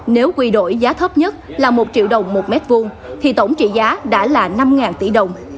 nếu quy đổi giá thấp nhất là một triệu đồng một mét vuông thì tổng trị giá đã là năm tỷ đồng